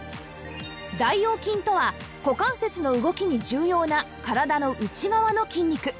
大腰筋とは股関節の動きに重要な体の内側の筋肉